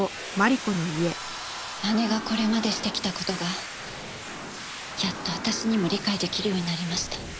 姉がこれまでしてきた事がやっと私にも理解出来るようになりました。